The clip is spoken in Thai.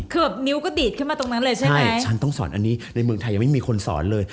คือแบบนิ้วก็ดีดขึ้นมาตรงนั้นเลยใช่ไหมฉันต้องสอนอันนี้ในเมืองไทยยังไม่มีคนสอนเลย